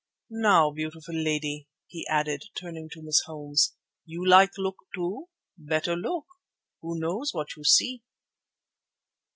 Now, beautiful lady," he added turning to Miss Holmes, "you like look too? Better look. Who knows what you see?"